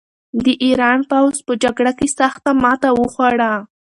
د ایران پوځ په جګړه کې سخته ماته وخوړه.